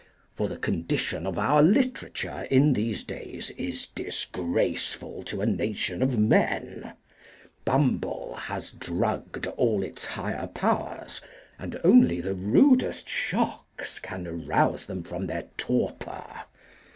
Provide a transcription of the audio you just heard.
For the condition of our literature in these days is disgraceful to a nation of men: Bumble has drugged all its higher powers, and only the rudest shocks can arouse them from their torpor.